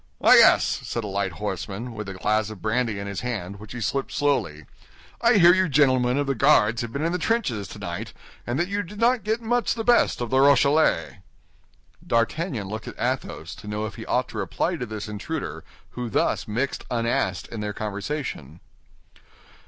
"Ah, yes," said a light horseman, with a glass of brandy in his hand, which he sipped slowly. "I hear you gentlemen of the Guards have been in the trenches tonight, and that you did not get much the best of the Rochellais." D'Artagnan looked at Athos to know if he ought to reply to this intruder who thus mixed unasked in their conversation.